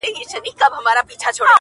خوب مي وتښتي ستا خیال لکه غل راسي؛